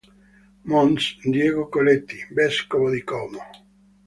Mons. Diego Coletti, vescovo di Como.